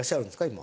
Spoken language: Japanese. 今。